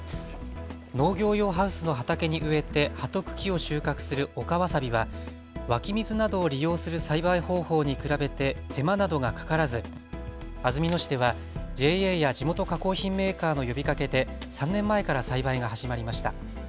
農業用ハウスの畑に植えて葉と茎を収穫する陸わさびは湧き水などを利用する栽培方法に比べて手間などがかからず安曇野市ではＪＡや地元加工品メーカーの呼びかけで３年前から栽培が始まりました。